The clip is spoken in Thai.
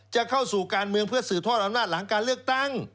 จะเข้าสู่การเมืองเพื่อสืบทอดอำนาจหลังการเลือกตั้ง